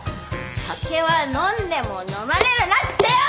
酒は飲んでものまれるなっつってよ！